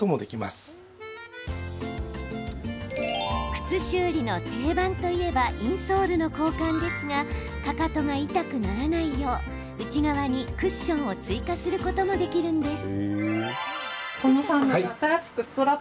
靴修理の定番といえばインソールの交換ですがかかとが痛くならないよう内側にクッションを追加することもできるんです。